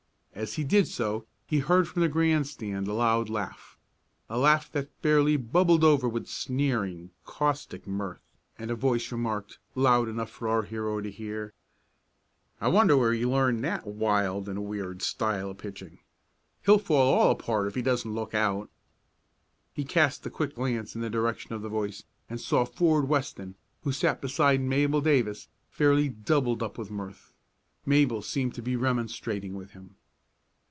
As he did so he heard from the grandstand a loud laugh a laugh that fairly bubbled over with sneering, caustic mirth, and a voice remarked, loud enough for our hero to hear: "I wonder where he learned that wild and weird style of pitching? He'll fall all apart if he doesn't look out!" He cast a quick glance in the direction of the voice and saw Ford Weston, who sat beside Mabel Davis, fairly doubled up with mirth. Mabel seemed to be remonstrating with him.